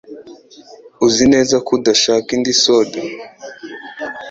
Uzi neza ko udashaka indi soda?